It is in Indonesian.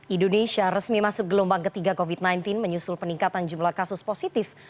indonesia resmi masuk gelombang ketiga covid sembilan belas menyusul peningkatan jumlah kasus positif